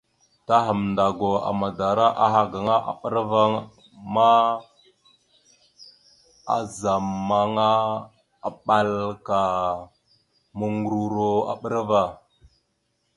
Ta Hamndagwa madara aha a ɓəra ava gaŋa ma, azamaŋa aɓal ka muŋgəruro a ɓəra ava.